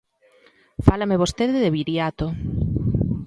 Fálame vostede de Viriato.